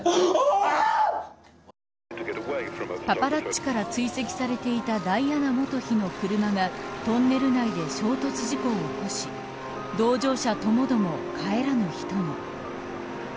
パパラッチから追跡されていたダイアナ元妃の車がトンネル内で衝突事故を起こし同乗者ともども帰らぬ人に。